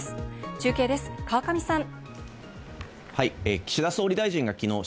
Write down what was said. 中継です、川上さん。